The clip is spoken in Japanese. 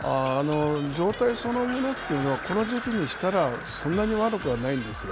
状態そのものというのはこの時期にしたらそんなに悪くはないんですよ。